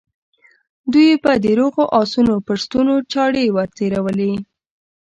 دوی به د روغو آسونو پر ستونو چاړې ور تېرولې.